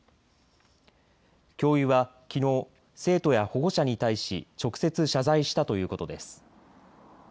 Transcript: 教諭はきのう生徒や保護者に対し直接、謝罪したということです。